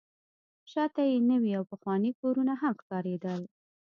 شاته یې نوي او پخواني کورونه هم ښکارېدل.